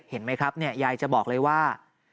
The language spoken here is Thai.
เห็นมั้ยครับเนี่ยยายจะบอกเลยว่า